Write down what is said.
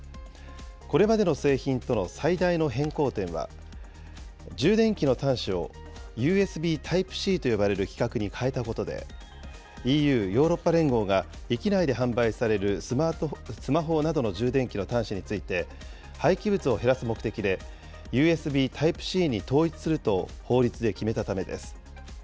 これまでの製品との最大の変更点は、充電器の端子を、ＵＳＢタイプＣと呼ばれる規格に変えたことで、ＥＵ・ヨーロッパ連合が域内で販売されるスマホなどの充電器の端子について、廃棄物を減らす目的で、ＵＳＢタイプＣに統一すると法律で決めたためです。